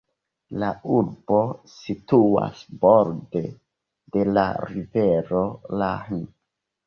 La urbo situas borde de la rivero Lahn.